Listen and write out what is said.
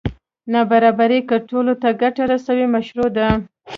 نابرابري که ټولو ته ګټه رسوي مشروع ده.